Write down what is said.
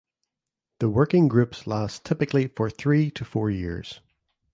The working groups last typically for three to four years.